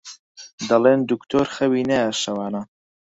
دەڵێن دوکتۆر خەوی نایە شەوانە